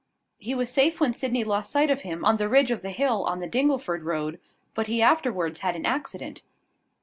"He was safe when Sydney lost sight of him, on the ridge of the hill, on the Dingleford road; but he afterwards had an accident."